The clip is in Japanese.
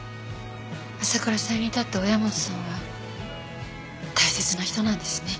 朝倉さんにとって親松さんは大切な人なんですね。